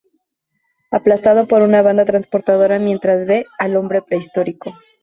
Aplastado por una banda transportadora mientras ve al "Hombre prehistórico".